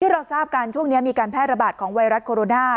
เราทราบกันช่วงนี้มีการแพร่ระบาดของไวรัสโคโรนา